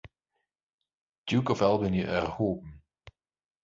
Duke of Albany erhoben.